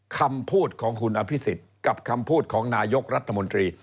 คำพูดของคุณอภิษฎกับคำพูดของนายกรัฐมนตรี